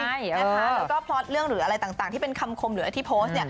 แล้วก็พล็อตเรื่องหรืออะไรต่างที่เป็นคำคมหรืออะไรที่โพสต์